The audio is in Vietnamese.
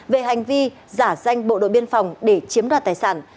về hành vi giả danh bộ đội biên phòng để chiếm đoạt tài sản